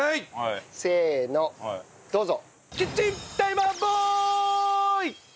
せーのどうぞ！